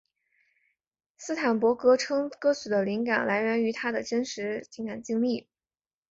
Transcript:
斯坦伯格称歌曲的灵感来源于他的真实情感经历。